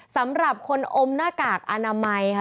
สำหรับคนอมหน้ากากอนามัยค่ะ